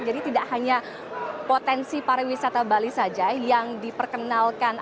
jadi tidak hanya potensi para wisata bali saja yang diperkenalkan